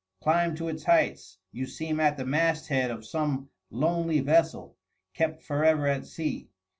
Climb to its heights, you seem at the masthead of some lonely vessel, kept forever at sea.